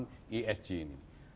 jadi itu adalah penerapan esg ini